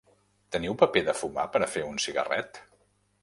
Teniu paper de fumar per a fer un cigarret?